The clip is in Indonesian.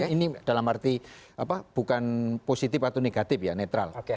ini dalam arti bukan positif atau negatif ya netral